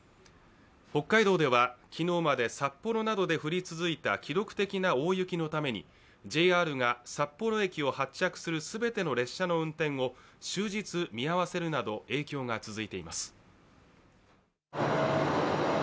北海道では昨日まで札幌などで降り続いた記録的な大雪のためにＪＲが札幌駅を発着する全ての列車の運転を終日、見合わせるなど影響が続いています。